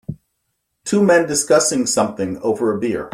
Two men discussing something over a beer.